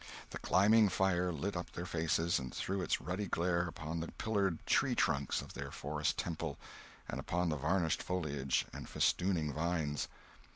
The climbing fire lit up their faces and threw its ruddy glare upon the pillared tree trunks of their forest temple, and upon the varnished foliage and festooning vines.